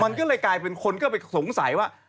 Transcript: มันก็เลยกลายเป็นคนก็ไปสงสัยว่า